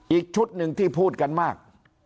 อีกชุดหนึ่งที่พูดกันมาก